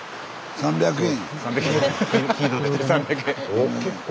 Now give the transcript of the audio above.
３００円。